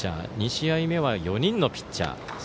２試合目は４人のピッチャー。